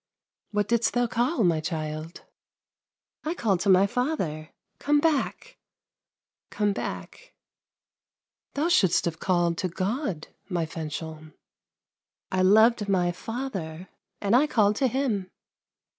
" What didst thou call, my child ?"" I called to my father :' Come back ! come back !'"" Thou shouldst have called to God, my Fanchon." " I loved my father, and I called to him."